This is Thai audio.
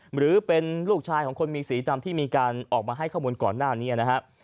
หรือเป็นลูกชายของคนมีสีตามที่มีการออกมาให้ข้อมูลก่อนหน้านี้นะครับ